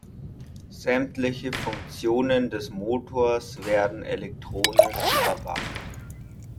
Sämtliche Funktionen des Motors werden elektronisch überwacht.